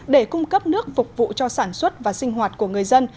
để cung cấp nước phục vụ cho sản xuất và sinh hoạt của người dân